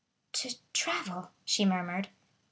"To travel!" she murmured.